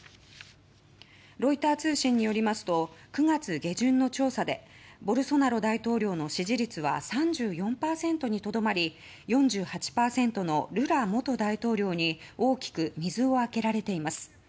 ロイター通信によりますと９月下旬の調査でボルソナロ大統領の支持率は３４％にとどまり４８％のルラ元大統領に大きく水をあけられています。